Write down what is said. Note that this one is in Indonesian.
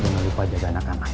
jangan lupa jaga anak anak